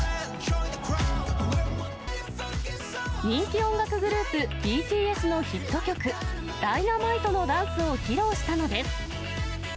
人気音楽グループ、ＢＴＳのヒット曲、Ｄｙｎａｍｉｔｅのダンスを披露したのです。